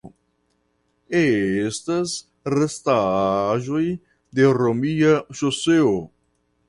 Estas restaĵoj de romia ŝoseo.